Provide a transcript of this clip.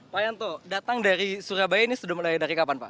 pak yanto datang dari surabaya ini sudah mulai dari kapan pak